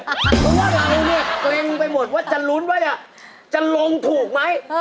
เพราะว่าเราเนี่ยเกร็งไปหมดว่าจะลุ้นว่าจะลงถูกไหม